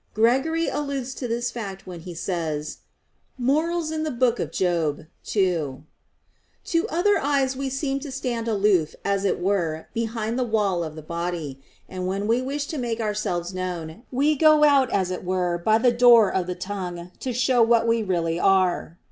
Gregory alludes to this fact when he says (Moral. ii): "To other eyes we seem to stand aloof as it were behind the wall of the body; and when we wish to make ourselves known, we go out as it were by the door of the tongue to show what we really are."